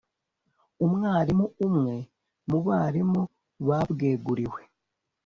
Umwarimu umwe mu barimu babweguriwe